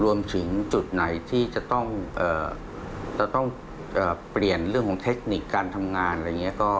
รวมถึงจุดไหนที่จะต้องเปลี่ยนเรื่องของเทคนิคการทำงานอะไรอย่างนี้